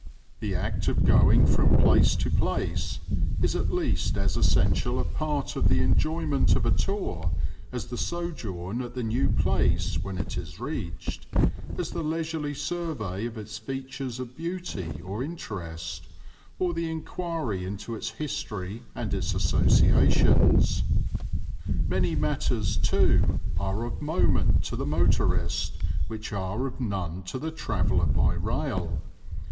The act of going from place to place is at least as essential a part of the enjoyment of a tour as the sojourn at the new place when it is reached, as the leisurely survey of its features of beauty or interest, or the inquiry into its history and its associations. Many matters, too, are of moment to the motorist which are of none to the traveller by rail.